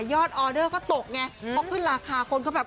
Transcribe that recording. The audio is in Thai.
ออเดอร์ก็ตกไงพอขึ้นราคาคนก็แบบ